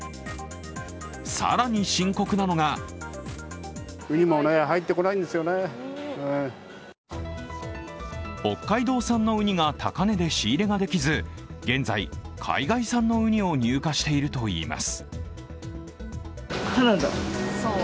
更に深刻なのが北海道産のウニが高値で仕入れができず、現在、海外産のウニを入荷しているといいます。